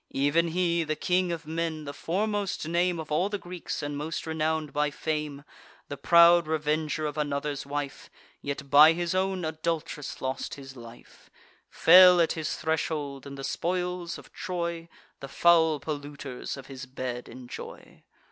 Ev'n he, the King of Men, the foremost name Of all the Greeks, and most renown'd by fame, The proud revenger of another's wife, Yet by his own adult'ress lost his life; Fell at his threshold; and the spoils of Troy The foul polluters of his bed enjoy.